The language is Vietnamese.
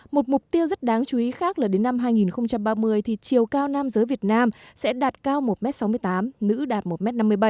một mục tiêu rất đáng chú ý khác là đến năm hai nghìn ba mươi thì chiều cao nam giới việt nam sẽ đạt cao một sáu mươi tám m nữ đạt một năm mươi bảy m